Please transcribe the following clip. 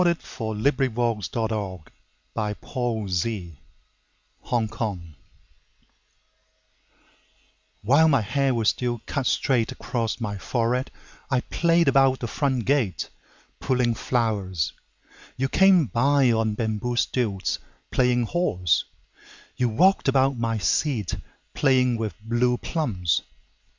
1917. The River Merchant's Wife: A Letter By Ezra Pound WHILE my hair was still cut straight across my foreheadI played about the front gate, pulling flowers. You came by on bamboo stilts, playing horse; You walked about my seat, playing with blue plums.